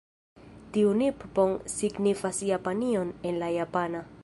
Tiu 'Nippon' signifas Japanion en la japana.